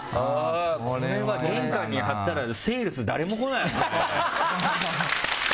これ玄関に貼ったらセールス誰も来ないよ、これ。